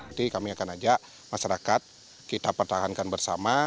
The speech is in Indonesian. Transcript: nanti kami akan ajak masyarakat kita pertahankan bersama